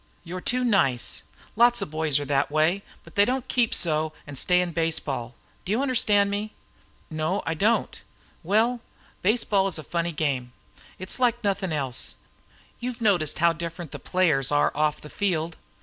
You 're too nice. Lots of boys are that way, but they don't keep so and stay in baseball. Do you understand me?" "No, I don't." "Well, baseball is a funny game. It's like nothing else. You've noticed how different the players are off the field.